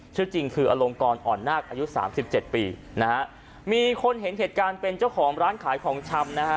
ชื่อจริงคืออลงกรอ่อนนาคอายุสามสิบเจ็ดปีนะฮะมีคนเห็นเหตุการณ์เป็นเจ้าของร้านขายของชำนะฮะ